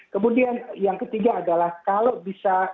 kemudian yang ketiga adalah kalau bisa